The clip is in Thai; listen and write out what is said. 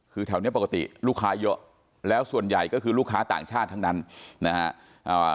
คือแถวนี้ปกติลูกค้าเยอะแล้วส่วนใหญ่ก็คือลูกค้าต่างชาติทั้งนั้นนะฮะ